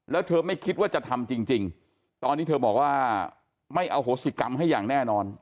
แล้วเธอไม่คิดว่าจะทำจริงตอนนี้เธอบอกว่าไม่อโหสิกรรมให้อย่างแน่นอน